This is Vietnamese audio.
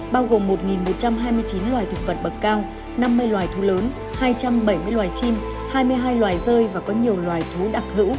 bao gồm một một trăm hai mươi chín loài thực vật bậc cao năm mươi loài thú lớn hai trăm bảy mươi loài chim hai mươi hai loài rơi và có nhiều loài thú đặc hữu